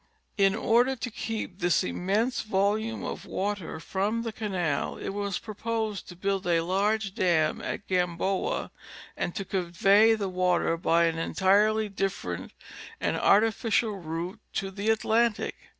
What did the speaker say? In order to keep this immense vohime of water from the canal it was proposed to build a large dam at Gamboa, and to convey the water by an entirely different and artificial route to the Atlantic.